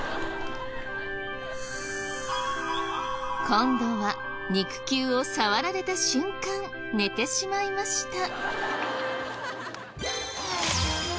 今度は肉球を触られた瞬間寝てしまいました。